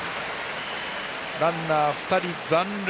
ランナー２人残塁。